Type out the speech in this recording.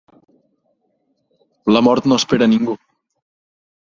La mort no espera ningú.